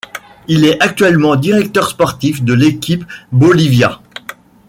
Il est actuellement directeur sportif de l'équipe Bolivia.